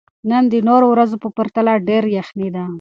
نن د نورو ورځو په پرتله ډېره یخني ده.